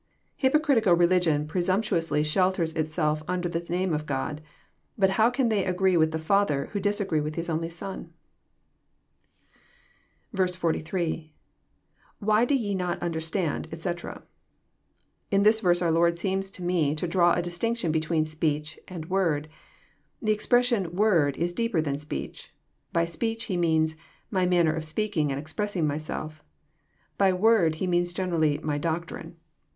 Hypocritical religion presumptuously shelters itself un der the name of God; but how can they agree with the Father, who disagree with His only Son ?" 48. —[ Why do ye not understand? etc,'] In this verse, our Lord seems to me to draw a distinction between '* speech" and word." The expression " word "is deeper than speech." By speech," He means My manner of speaking and expressing Myself." By "word," He means generally My doctrine.